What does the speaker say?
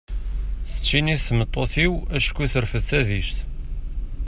Tettinnit tmeṭṭut-iw acku terfed tadist.